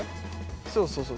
そうそうそう。